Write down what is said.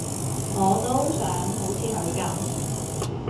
我都想好似佢噉